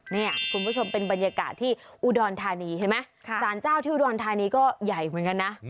เนี่ยคุณผู้ชมเป็นบรรยากาศที่อุดรธานีเห็นไหมสารเจ้าที่อุดรธานีก็ใหญ่เหมือนกันนะ